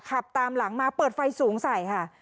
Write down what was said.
ขับตามหลังมาเปิดไฟสูงใส่ค่ะ